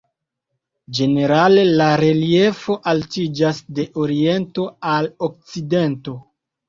Ĝenerale la reliefo altiĝas de oriento al okcidento.